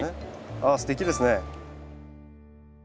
あっすてきですね。